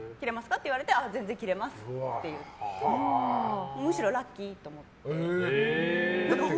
って言われて全然切れますって言ってむしろラッキーと思って。